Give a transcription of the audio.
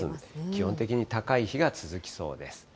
基本的に高い日が続きそうです。